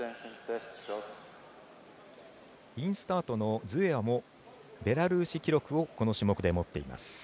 インスタートのズエワもベラルーシ記録をこの種目で持っています。